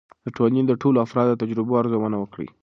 د ټولنې د ټولو افرادو د تجربو ارزونه وکړئ.